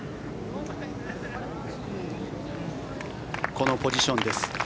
このポジションです。